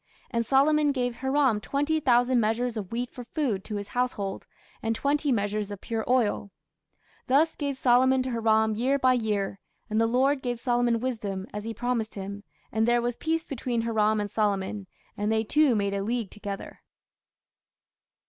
And Solomon gave Hiram twenty thousand measures of wheat for food to his household, and twenty measures of pure oil: thus gave Solomon to Hiram year by year. And the Lord gave Solomon wisdom, as he promised him: and there was peace between Hiram and Solomon; and they two made a league together.